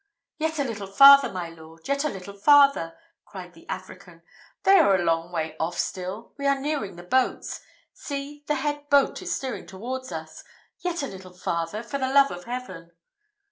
"Yet a little farther, my lord, yet a little farther," cried the African; "they are a long way off still we are nearing the boats. See, the head boat is steering towards us! Yet a little farther, for the love of Heaven!"